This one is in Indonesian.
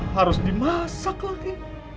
harus dimasak lagi